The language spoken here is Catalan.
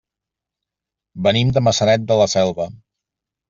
Venim de Maçanet de la Selva.